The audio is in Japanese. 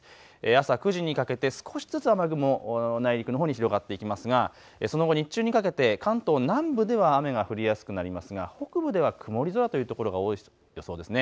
朝９時にかけて少しずつ雨雲内陸のほうに広がっていきますが、その後、日中にかけて関東南部では雨が降りやすくなりますが北部では曇り空というところが多い予想ですね。